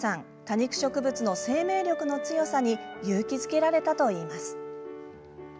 多肉植物の生命力の強さに勇気づけられたといいます。